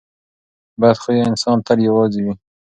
بد خویه انسان تل یوازې وي.